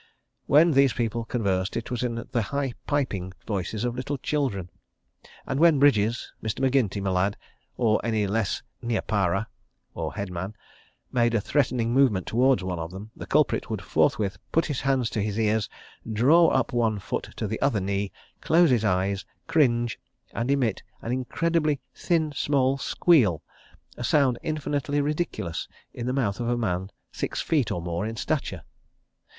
... When these people conversed, it was in the high, piping voices of little children, and when Bridges, Mr. MacGinty my lad, or any less neapara (head man), made a threatening movement towards one of them, the culprit would forthwith put his hands to his ears, draw up one foot to the other knee, close his eyes, cringe, and emit an incredibly thin, small squeal, a sound infinitely ridiculous in the mouth of a man six feet or more in stature.